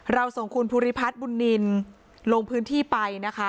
เราส่งคุณภูริพัฒน์บุญนินลงพื้นที่ไปนะคะ